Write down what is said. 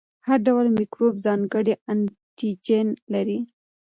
هر ډول میکروب ځانګړی انټيجن لري.